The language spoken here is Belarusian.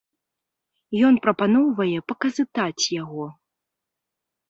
Ён прапаноўвае паказытаць яго.